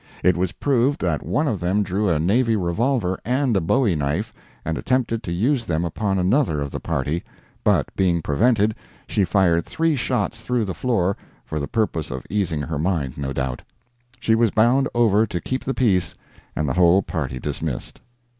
It was proved that one of them drew a navy revolver and a bowie knife and attempted to use them upon another of the party, but being prevented, she fired three shots through the floor, for the purpose of easing her mind, no doubt. She was bound over to keep the peace, and the whole party dismissed.